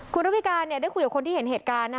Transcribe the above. คุณท่านพิการเนี่ยได้คุยกับคนที่เห็นเหตุการณ์นะ